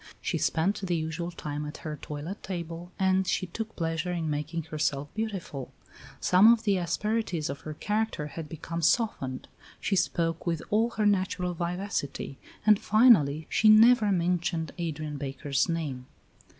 She spent the usual time at her toilet table and she took pleasure in making herself beautiful. Some of the asperities of her character had become softened; she spoke with all her natural vivacity, and, finally, she never mentioned Adrian Baker's name.